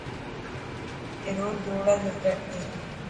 اي روز ڊوڙي تو ٽريڪ تي .